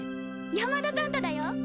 山田サンタだよ。